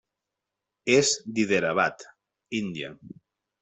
És d'Hyderabad, Índia.